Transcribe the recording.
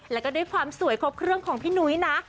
แล้วก็ด้วยความสวยครบเครื่องของพี่นุ้ยนะ